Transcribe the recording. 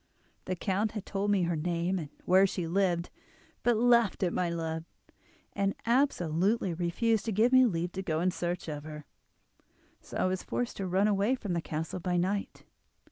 The count had told me her name, and where she lived, but laughed at my love, and absolutely refused to give me leave to go in search of her, so I was forced to run away from the castle by night.